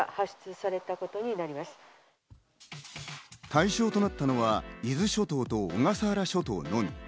対象となったのは伊豆諸島と小笠原諸島のみ。